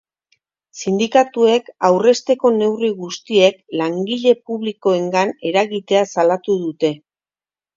Sindikatuek aurrezteko neurri guztiek langile publikoengan eragitea salatu dute.